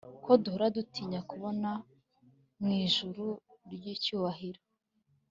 ko duhora dutinya kubona mwijuru ryicyubahiro